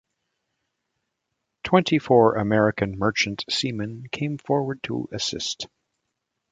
Twenty-four American merchant seamen came forward to assist.